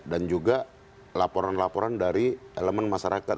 dan juga laporan laporan dari elemen masyarakat